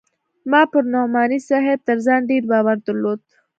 ما پر نعماني صاحب تر ځان ډېر باور درلود.